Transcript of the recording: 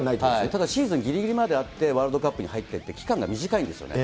ただ、シーズンぎりぎりまであって、ワールドカップにはいっていって、期間が短いんですよね。